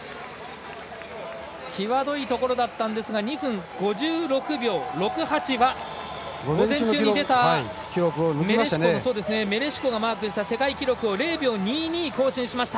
際どいところだったんですが２分５６秒６８は午前中に出たメレシコが出した世界記録を０秒２２更新しました。